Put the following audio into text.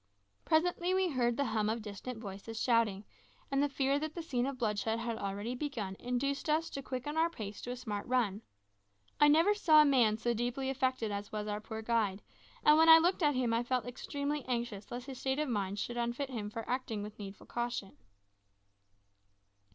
Presently we heard the hum of distant voices shouting, and the fear that the scene of bloodshed had already begun induced us to quicken our pace to a smart run. I never saw a man so deeply affected as was our poor guide, and when I looked at him I felt extremely anxious lest his state of mind should unfit him for acting with needful caution.